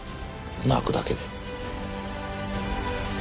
泣くだけで。